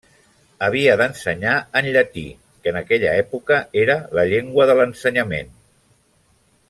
Havia d'ensenyar en llatí, que en aquella època era la llengua de l'ensenyament.